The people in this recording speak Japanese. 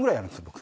僕。